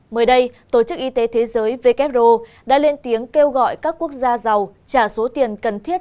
mới đây tổ chức y tế thế giới wo đã lên tiếng kêu gọi các quốc gia giàu trả số tiền cần thiết